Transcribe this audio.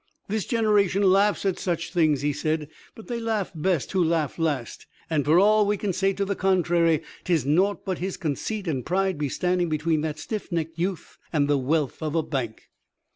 "This generation laughs at such things," he said; "but they laugh best who laugh last, and, for all we can say to the contrary, 'tis nought but his conceit and pride be standing between that stiff necked youth and the wealth of a bank."